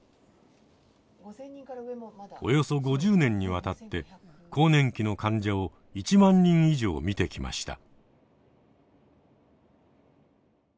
およそ５０年にわたって更年期の患者を１万人以上診てきました。